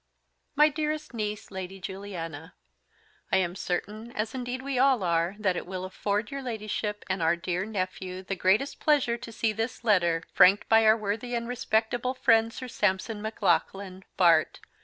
"My DEAREST NIECE, LADY JULIANA I am Certain, as indeed we all are, that it will Afford your Ladyship and our dear Nephew the greatest Pleasure to see this letter Franked by our Worthy and Respectable Friend Sir Sampson Maclaughlan, Bart.